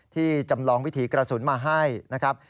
จำลองวิถีกระสุนมาให้นะครับ